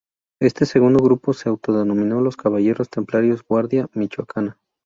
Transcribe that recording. Este segundo grupo se autodenominó "Los Caballeros Templarios Guardia Michoacana".